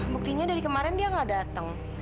buktinya dari kemarin dia gak dateng